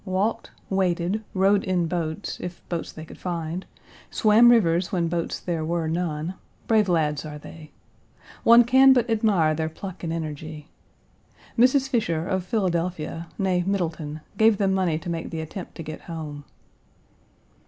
Walked, waded, rowed in boats, if boats they could find; swam rivers when boats there were none; brave lads are they. One can but admire their pluck and energy. Mrs. Fisher, of Philadelphia, née Middleton, gave them money to make the attempt to get home.